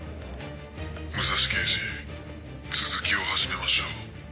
武蔵刑事続きを始めましょう。